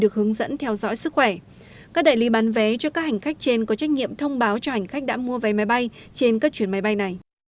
các đại lý bán vé cho các hành khách trên có trách nhiệm thông báo cho hành khách đã mua vé máy bay trên các chuyến máy bay này